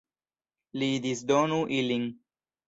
Li disdonu ilin.